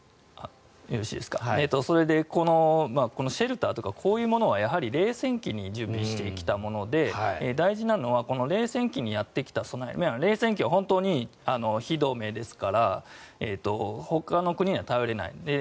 それでこのシェルターとかこういうものは冷戦期に準備してきたもので大事なのは冷戦期にやってきた備え冷戦期は本当に非同盟ですからほかの国には頼れない。